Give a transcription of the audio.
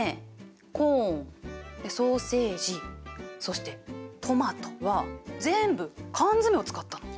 コーンソーセージそしてトマトは全部缶詰を使ったの。